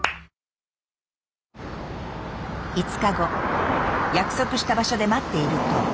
５日後約束した場所で待っていると。